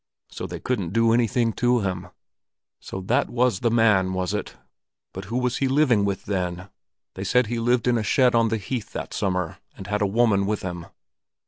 So they couldn't do anything to him. So that was the man, was it! But who was it he was living with, then? They said he lived in a shed on the heath that summer, and had a woman with him."